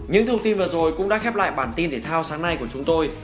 những thông tin vừa rồi cũng đã khép lại bản tin thể thao sáng nay của chúng tôi